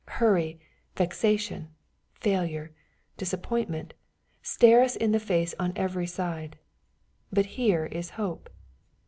Hurry, vexation, failure, disappointment, stare us in the face on every side. But here is hope.